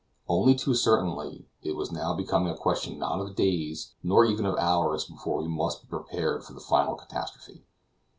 Only too certainly, it was now becoming a question not of days nor even of hours before we must be prepared for the final catastrophe.